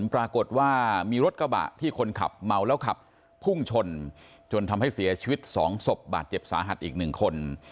ปรากฏว่ามีรถกระบะที่คนขับเมาแล้วขับพุ่งชนจนทำให้เสียชีวิต๒ศพบาดเจ็บสาหัสอีก๑คน